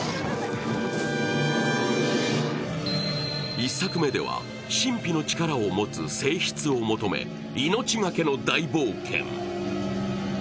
１作目では、神秘の力を持つ聖櫃を求め、命懸けの大冒険。